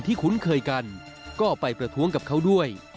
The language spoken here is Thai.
คุ้นเคยกันก็ไปประท้วงกับเขาด้วย